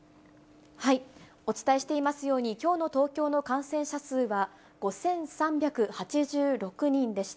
お伝えしていますように、きょうの東京の感染者数は５３８６人でした。